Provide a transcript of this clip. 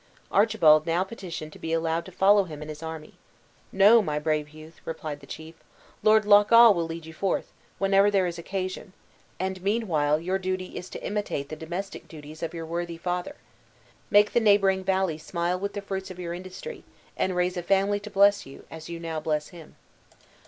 Archibald now petitioned to be allowed to follow him in his army. "No, my brave youth," replied the chief; "Lord Lochawe will lead you forth, whenever there is occasion; and, meanwhile, your duty is to imitate the domestic duties of your worthy father. Make the neighboring valley smile with the fruits of your industry; and raise a family to bless you, as you now bless him."